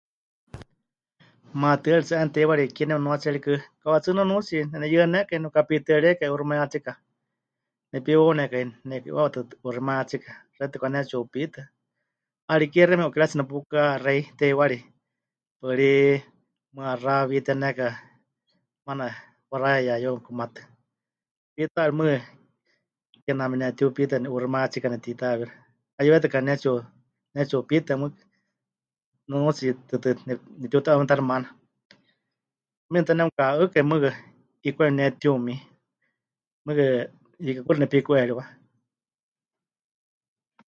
Maatɨari tsɨ 'eena teiwari kie nemɨnuatsie rikɨ, kauka tsɨ nunuutsi neneyɨanékai, nepɨkapitɨaríekai 'uuximayátsika, nepiwaunekai ne'iku'iwawa tɨtɨ 'uuximayátsika, xewítɨ pɨkanetsi'upitɨa, 'ariké xeíme 'ukiratsi nepukaxéi teiwari, paɨrí mɨaxá pɨwitenekai, maana waxaya ya yeuka kumatɨ́, tiitayari mɨɨkɨ kename netiupitɨani 'uuximayátsikakɨ nepɨtitahɨawíxɨ, 'ayɨwékatɨka pɨnetsiu... pɨnetsiupitɨa mɨɨkɨ, nunuutsi tɨtɨ ne.. nepɨtiuta'uuximayátaxɨ maana, tumiini ta nemɨkaha'ɨkai mɨɨkɨ, 'ikwai pɨnetiumi, mɨɨkɨ hiikɨ kuxi nepiku'eriwa.